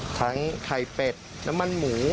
ไข่เป็ดน้ำมันหมู